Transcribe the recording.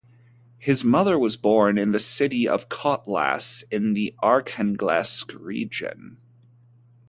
His mother was born in the city of Kotlas in the Arkhangelsk region.